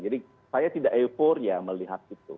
jadi saya tidak efor ya melihat itu